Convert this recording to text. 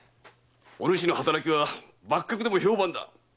おぬしの働きは幕閣でも評判だ。